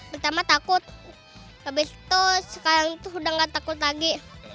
pertama takut habis itu sekarang tuh udah gak takut lagi